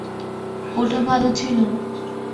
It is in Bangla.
ওটা ভাল ছিল।